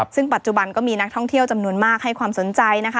ซึ่งปัจจุบันก็มีนักท่องเที่ยวจำนวนมากให้ความสนใจนะคะ